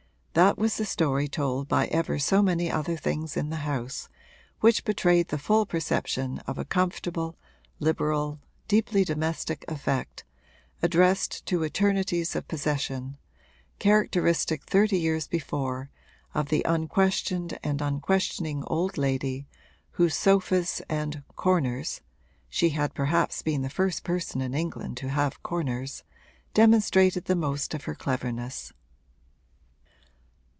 That was the story told by ever so many other things in the house, which betrayed the full perception of a comfortable, liberal, deeply domestic effect, addressed to eternities of possession, characteristic thirty years before of the unquestioned and unquestioning old lady whose sofas and 'corners' (she had perhaps been the first person in England to have corners) demonstrated the most of her cleverness.